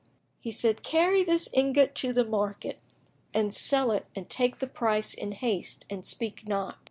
he said, "Carry this ingot to the market and sell it and take the price in haste and speak not."